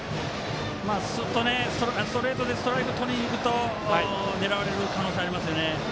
スッとストレートでストライクをとりにいくと狙われる可能性があります。